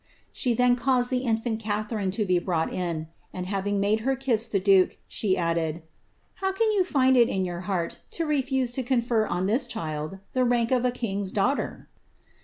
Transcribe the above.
She then led the in&nt Catharine to be brought in, and having made her kiss duke, she added, *^ How can you find it in your heart to refuse to fer on this child the rank of a king's daughter?"'